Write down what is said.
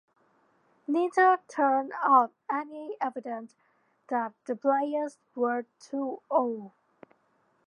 Neither turned up any evidence that the players were too old.